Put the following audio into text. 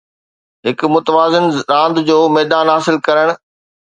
هڪ متوازن راند جو ميدان حاصل ڪرڻ